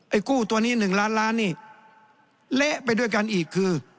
กู้ตัวนี้๑ล้านล้านนี่เละไปด้วยกันอีกคือ